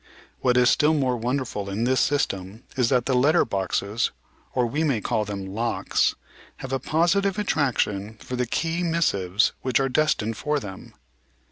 "What is still more wonderful in this system is that the letter boxes, or we may call them locks, have a positive attraction for the key mis sives which are destined for them."